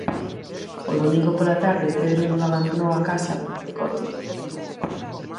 O domingo pola tarde Pedro non abandonou a casa coma decote.